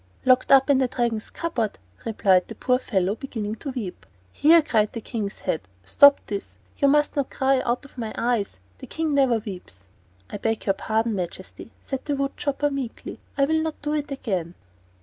"Locked up in the Dragon's cupboard," replied the poor fellow, beginning to weep. "Here," cried the King's head; "stop this. You mustn't cry out of my eyes! The King never weeps." "I beg pardon, your Majesty," said the wood chopper, meekly, "I'll not do it again."